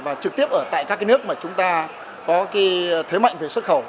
và trực tiếp ở tại các cái nước mà chúng ta có cái thế mạnh về xuất khẩu